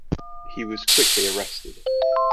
He was quickly arrested.